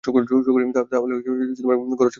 তাহলে গরজ করে কাজ করবে।